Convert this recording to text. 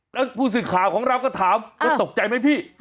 หรอกพูดสินข่าวของเราก็ถามตกใจไหมพี่